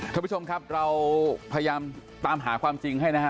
ท่านผู้ชมครับเราพยายามตามหาความจริงให้นะฮะ